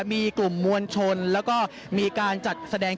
มีกลุ่มมวลชนแล้วก็มีการจัดแสดง